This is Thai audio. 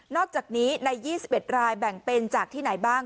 อกจากนี้ใน๒๑รายแบ่งเป็นจากที่ไหนบ้าง